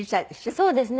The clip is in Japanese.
そうですね。